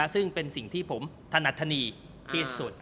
ซึ่งเป็นสิ่งที่ผมถนัดธนีที่สุด